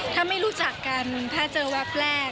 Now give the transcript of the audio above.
ถ้าไม่รู้จักกันถ้าเจอแวบแรก